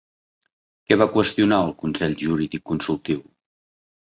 Què va qüestionar el Consell Jurídic Consultiu?